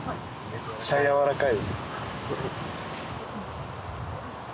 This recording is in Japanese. めっちゃやわらかいです。